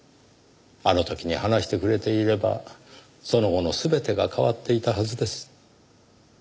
あの時に話してくれていればその後の全てが変わっていたはずです。